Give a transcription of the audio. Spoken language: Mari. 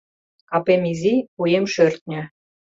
Капем изи, вуем шӧртньӧ -